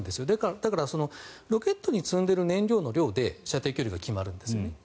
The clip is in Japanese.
だからロケットに積んでいる燃料の量で射程距離が決まるんですね。